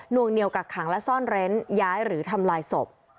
วงเหนียวกักขังและซ่อนเร้นย้ายหรือทำลายศพ